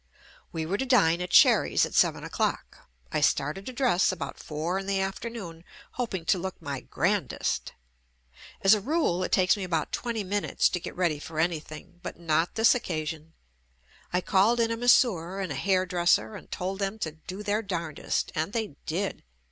We were to dine at Sherry's at seven o'clock. I started to dress about four in the afternoon hoping to look my "grandest." As a rule, it takes me about twenty minutes to get ready for anything, but not this occasion. I called in a masseur and a hairdresser and told them to do their darndest — and they did.